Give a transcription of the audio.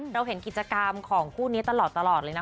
เราเห็นกิจกรรมของคู่นี้ตลอดเลยนะคะ